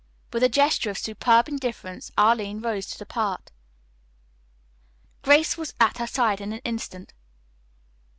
With a gesture of superb indifference Arline rose to depart. Grace was at her side in an instant.